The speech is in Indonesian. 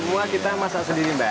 semua kita masak sendiri mbak